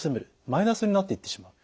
マイナスになっていってしまう。